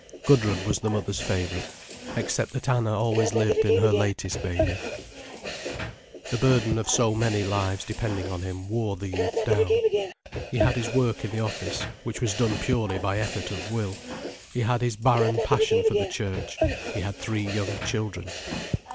Gudrun was the mother's favourite—except that Anna always lived in her latest baby. The burden of so many lives depending on him wore the youth down. He had his work in the office, which was done purely by effort of will: he had his barren passion for the church; he had three young children.